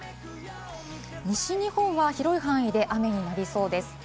西日本は広い範囲で雨になりそうです。